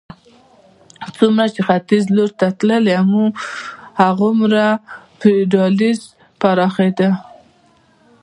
څومره چې ختیځ لور ته تللې هغومره فیوډالېزم پراخېده.